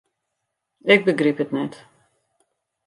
Ik begryp it net.